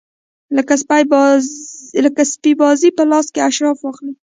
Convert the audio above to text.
لکه سپي بازي په لاس اشراف واخلي.